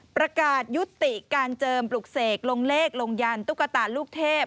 ประกาศยุติการเจิมปลุกเสกลงเลขลงยันตุ๊กตาลูกเทพ